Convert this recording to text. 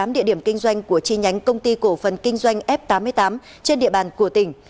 tám địa điểm kinh doanh của chi nhánh công ty cổ phần kinh doanh f tám mươi tám trên địa bàn của tỉnh